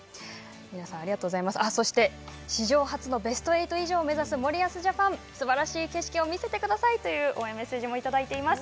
そして、史上初のベスト８以上を目指す森保ジャパンすばらしい景色を見せてくださいという応援メッセージもいただいています。